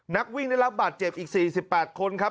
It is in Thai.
นักวิ่งได้รับบาดเจ็บอีก๔๘คนครับ